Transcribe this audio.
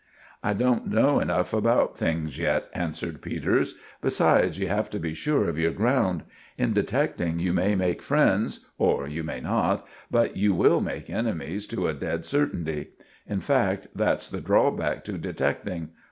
"I don't know enough about things yet," answered Peters. "Besides, you have to be sure of your ground. In detecting you may make friends, or you may not; but you will make enemies to a dead certainty. In fact, that's the drawback to detecting.